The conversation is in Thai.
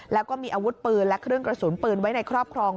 แล้วก็มีอาวุธปืนและเครื่องกระสุนปืนไว้ในครอบครอง